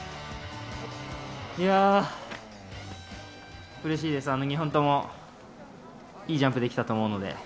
いやー、うれしいです、２本ともいいジャンプできたと思うので。